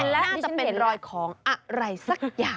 น่าจะเป็นรอยของอะไรสักอย่าง